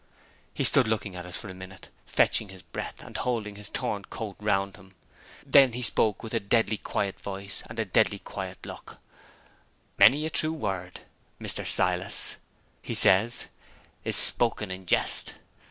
He stood looking at us for a minute, fetching his breath, and holding his torn coat round him. Then he spoke with a deadly quiet voice and a deadly quiet look: 'Many a true word, Mr. Silas,' he says, 'is spoken in jest.